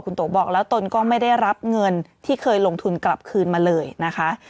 โตบอกแล้วตนก็ไม่ได้รับเงินที่เคยลงทุนกลับคืนมาเลยนะคะ